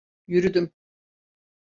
Yürüdüm.